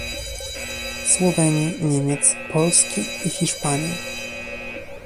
Słowenii, Niemiec, Polski i Hiszpanii